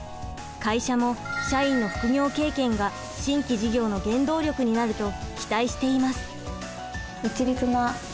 会社も社員の副業経験が新規事業の原動力になると期待しています。